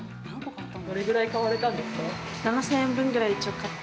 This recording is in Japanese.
どれくらい買われたんですか？